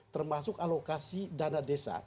termasuk alokasi dana desa